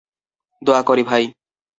দোয়া করি, ভাই।